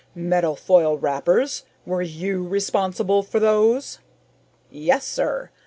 "Metal foil wrappers? Were you responsible for those?" "Yes, sir.